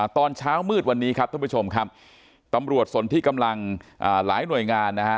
ตอนเช้ามืดวันนี้ครับท่านผู้ชมครับตำรวจสนที่กำลังหลายหน่วยงานนะฮะ